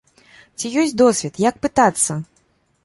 Ці ёсць досвед, як пытацца?